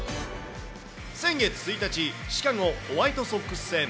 先月１日、シカゴホワイトソックス戦。